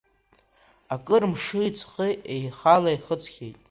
Акыр мши-ҵхи еихала-еихыҵхьеит.